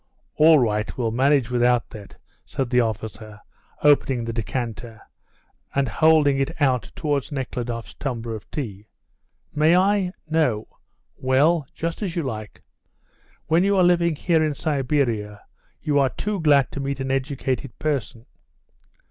"All right; we'll manage without that," said the officer, opening the decanter, and holding it out towards Nekhludoff's tumbler of tea. "May I? No? Well, just as you like. When you are living here in Siberia you are too glad to meet an educated person.